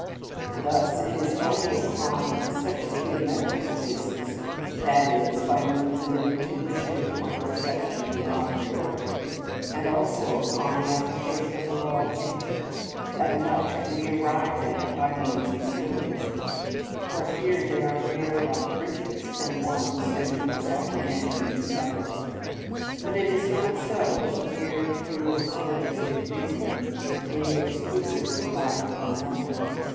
Thus it is only upon such a geometrical basis, that is, by means of an intuition or perception a priori, and also under the application of a law of nature, that much can be arrived at by means of syllogisms, for here they are merely like bridges from one sensuous apprehension to others; but it is not so with mere pure syllogistic reasoning in the exclusively logical method.